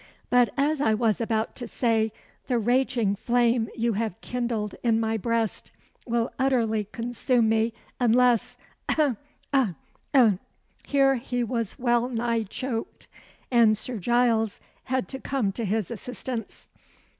But as I was about to say, the raging flame you have kindled in my breast will utterly consume me, unless (ough! ough! ough!)" Here he was well nigh choked, and Sir Giles had to come to his assistance.